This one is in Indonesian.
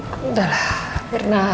udah lah mirna